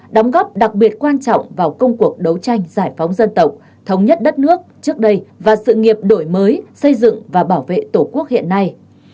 đóng góp đặc biệt quan trọng vào công cuộc đấu tranh giải phóng dân tộc thống nhất đất nước trước đây và sự nghiệp đổi mới xây dựng và bảo vệ tổ quốc hiện nay